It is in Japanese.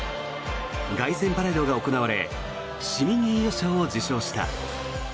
凱旋パレードが行われ市民栄誉賞を受賞した。